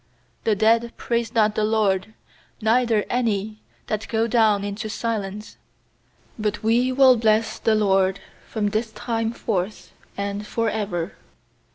17The dead praise not the LORD, Neither any that go down intc silence; 18But we will bless the LORD From this time forth and for ever.